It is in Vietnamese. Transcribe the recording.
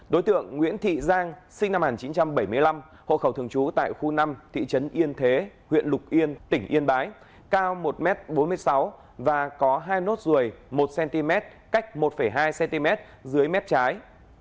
đối tượng nguyễn thị giang sinh năm một nghìn chín trăm bảy mươi năm hộ khẩu thường trú tại khu năm thị trấn yên thế huyện lục yên tỉnh yên bái cao một m bốn mươi sáu và có hai nốt ruồi một cm cách một hai cm dưới mép trái